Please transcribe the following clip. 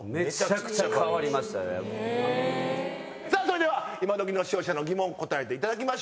それでは今どきの視聴者の疑問答えていただきましょう。